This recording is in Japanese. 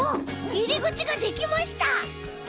いりぐちができました！